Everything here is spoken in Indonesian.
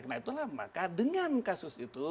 nah itulah maka dengan kasus itu